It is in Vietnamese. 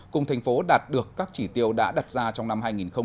cùng thành phố đạt được các chỉ tiêu đã đặt ra trong năm hai nghìn hai mươi